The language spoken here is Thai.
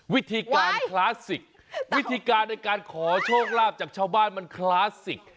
วิธีการคลาสสิกวิธีการในการขอโชคลาภจากชาวบ้านมันคลาสสิก